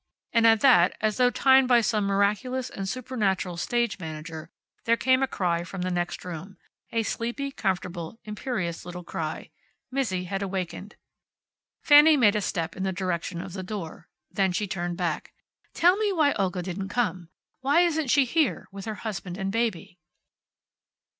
And at that, as though timed by some miraculous and supernatural stage manager, there came a cry from the next room; a sleepy, comfortable, imperious little cry. Mizzi had awakened. Fanny made a step in the direction of the door. Then she turned back. "Tell me why Olga didn't come. Why isn't she here with her husband and baby?"